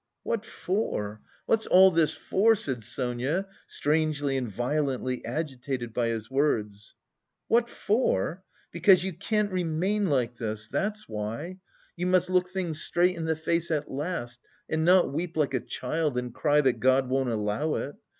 "What for? What's all this for?" said Sonia, strangely and violently agitated by his words. "What for? Because you can't remain like this, that's why! You must look things straight in the face at last, and not weep like a child and cry that God won't allow it.